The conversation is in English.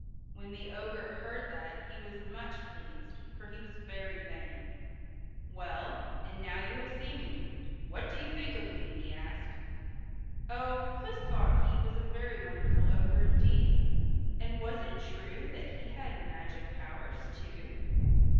When the ogre heard that he was much pleased, for he was very vain. "Well, and now you have seen me, what do you think of me?" he asked. Oh, Puss thought he was a very wonderful ogre indeed. And was it true that he had magic powers, too?